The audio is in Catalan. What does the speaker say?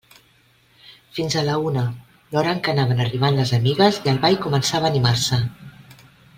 Fins a la una, l'hora en què anaven arribant les amigues i el ball començava a animar-se.